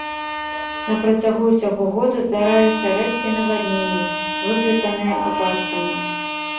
На працягу ўсяго года здараліся рэдкія навадненні, выкліканыя ападкамі.